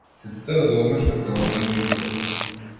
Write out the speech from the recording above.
Сите се радуваме што ќе одиме на излет.